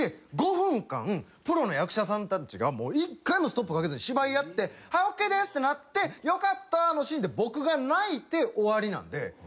５分間プロの役者さんたちがもう１回もストップかけずに芝居やってはいＯＫですってなってよかったのシーンで僕が泣いて終わりなんで。